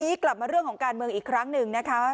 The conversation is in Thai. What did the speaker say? ทีนี้กลับมาเรื่องของการเมืองอีกครั้งหนึ่งนะคะ